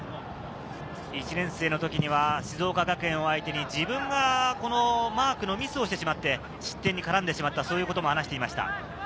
１年生の時には静岡学園を相手に自分がマークのミスをしてしまって、失点に絡んでしまった、そういうことも話していました。